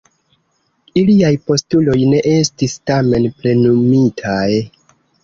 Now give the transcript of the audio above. Iliaj postuloj ne estis tamen plenumitaj.